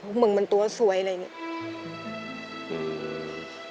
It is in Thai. พวกมึงมันตัวสวยอะไรอย่างเงี้ย